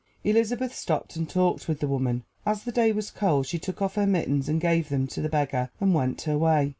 Elizabeth stopped and talked with the woman. As the day was cold, she took off her mittens and gave them to the beggar, and went her way.